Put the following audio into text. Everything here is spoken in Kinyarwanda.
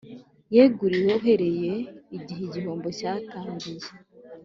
yeguriwe uhereye igihe igihombo cyatangiriye